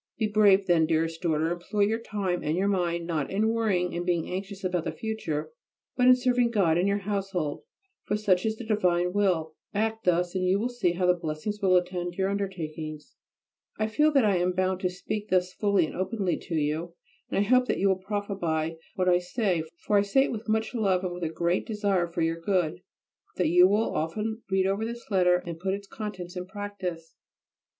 Be brave then, dearest daughter; employ your time and your mind not in worrying and being anxious about the future, but in serving God and your household, for such is the divine will. Act thus, and you will see how blessings will attend your undertakings. I feel that I am bound to speak thus fully and openly to you, and I hope that you will profit by what I say, for I say it with much love and with a great desire for your good; and that you will often read over this letter and put its contents in practice.